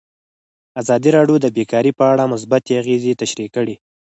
ازادي راډیو د بیکاري په اړه مثبت اغېزې تشریح کړي.